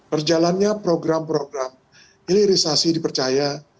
perjalannya program program ilirisasi dipercaya